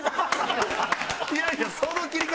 いやいやその切り方